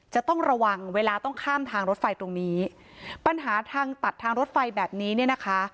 จะต้องระวังเวลาต้องข้ามทางรถไฟตรงนี้ปัญหาทางตัดทางรถไฟแบบนี้เนี่ยนะคะ